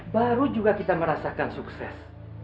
baru juga kita merasakan sukses